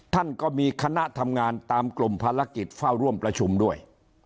ท่านก็มีคณะทำงานตามกลุ่มภารกิจเฝ้าร่วมประชุมด้วย